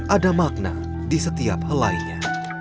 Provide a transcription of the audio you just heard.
ada makna di setiap helainya